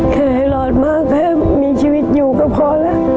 เคยรอดมากแค่มีชีวิตอยู่ก็พอแล้ว